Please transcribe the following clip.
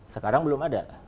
sekarang belum ada